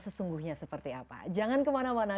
sesungguhnya seperti apa jangan kemana mana